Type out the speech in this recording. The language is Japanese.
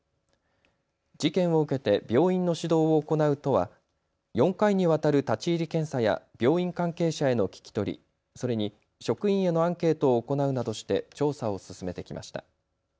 事件を受けて病院の指導を行う都は４回にわたる立ち入り検査や病院関係者への聞き取り、それに職員へのアンケートを行うなどして調査を進めてきました。